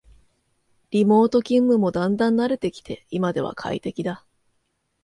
リモート勤務もだんだん慣れてきて今では快適だ